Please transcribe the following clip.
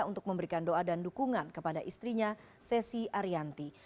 untuk memberikan doa dan dukungan kepada istrinya sesi arianti